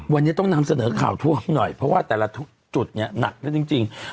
วันนี้ต้องนำเสนอข่าวท่วมหน่อยเพราะว่าแต่ละจุดเนี่ยหนักแล้วจริง